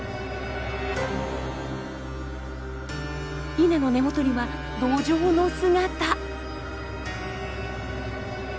稲の根元にはドジョウの姿。